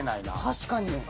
確かに。